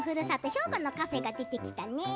兵庫のカフェが出てきたね。